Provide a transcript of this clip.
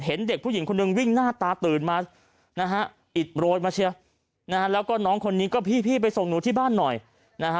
เห็นเด็กผู้หญิงคนหนึ่งวิ่งหน้าตาตื่นมานะฮะ